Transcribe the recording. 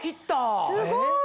すごい。